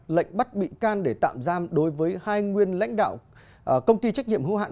lệnh bắt bị can để tạm giam đối với hai nguyên lãnh đạo công ty trách nhiệm hữu hạn